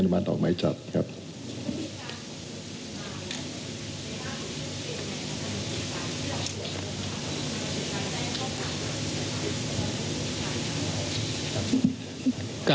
ท่านไม่ได้ฟังผมแต่แรกผมบอกแล้วอย่ากระพริบตาขณะนี้นะครับ